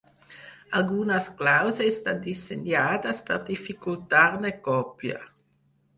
Algunes claus estan dissenyades per dificultar-ne còpia.